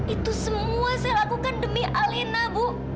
itu semua saya lakukan demi alina bu